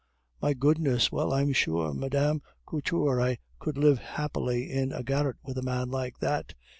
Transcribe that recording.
"My goodness! Well, I'm sure! Mme. Couture, I could live happily in a garret with a man like that.